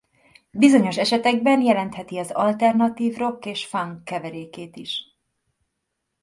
Bizonyos esetekben jelentheti az alternatív rock és funk keverékét is.